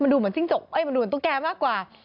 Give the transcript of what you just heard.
มันดูเหมือนซิ่งจกจ์ตู้แก่มากกว่า